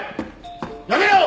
やめろ！